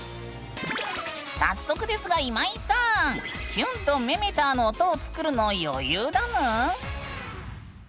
早速ですが今井さん「キュン」と「メメタァ」の音を作るの余裕だぬん？